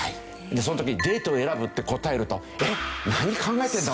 その時に「デートを選ぶ」って答えると「何考えてるんだ！